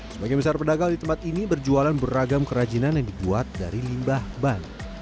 sebagai misal pedagang di tempat ini berjualan beragam kerajinan yang dibuat dari limbah ban